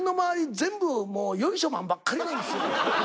全部もうよいしょマンばっかりなんですよ。